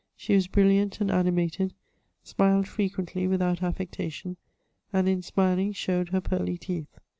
She was brilliant and animated/ smiled frequently without affectation, and in smiling showed her pearly teeth.